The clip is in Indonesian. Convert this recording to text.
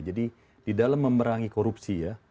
jadi di dalam memerangi korupsi ya